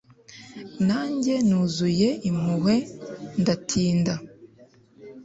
Nanjye nuzuye impuhwe ndatinda